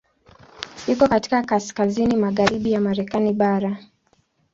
Iko katika kaskazini magharibi ya Marekani bara.